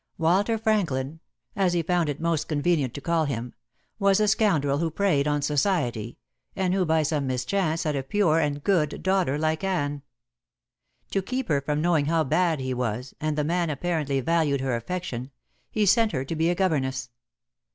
Walter Franklin as he found it most convenient to call him was a scoundrel who preyed on society, and who by some mischance had a pure and good daughter like Anne. To keep her from knowing how bad he was and the man apparently valued her affection he sent her to be a governess.